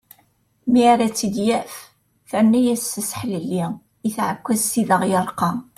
Mi ara tt-id-yaf terna-yas aseḥlelli i tεekkazt i d aɣ-yerqa.